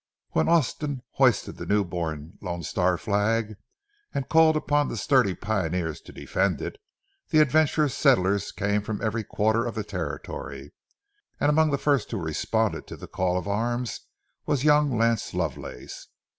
When Austin hoisted the new born Lone Star flag, and called upon the sturdy pioneers to defend it, the adventurous settlers came from every quarter of the territory, and among the first who responded to the call to arms was young Lance Lovelace.